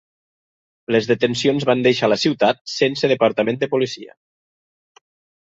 Les detencions van deixar la ciutat sense Departament de policia.